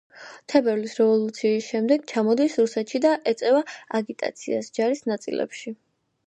თებერვლის რევოლუციის შემდეგ ჩამოდის რუსეთში და ეწევა აგიტაციას ჯარის ნაწილებში.